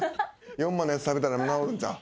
４万のやつ食べたら直るんちゃう？